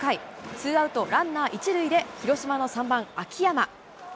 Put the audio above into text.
ツーアウトランナー１塁で広島の３番秋山。